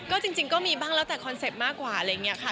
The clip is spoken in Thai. ก็จริงก็มีบ้างแล้วแต่คอนเซ็ปต์มากกว่าอะไรอย่างนี้ค่ะ